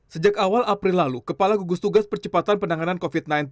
sejak awal april lalu kepala gugus tugas percepatan penanganan covid sembilan belas